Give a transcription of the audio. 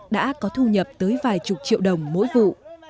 đã có thu nhập tới vài chục triệu đồng mỗi vụ